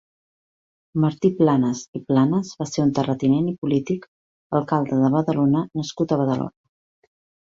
Martí Planas i Planas va ser un terratinent i polític, alcalde de Badalona nascut a Badalona.